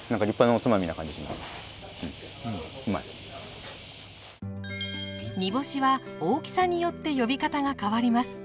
もう煮干しは大きさによって呼び方が変わります。